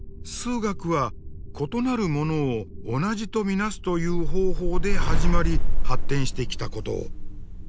数学は異なるものを同じと見なすという方法で始まり発展してきたことを。